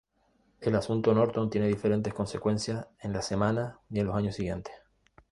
El asunto Norton tiene diferentes consecuencias en las semanas y en los años siguientes.